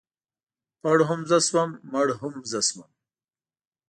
ـ پړ هم زه شوم مړ هم زه شوم.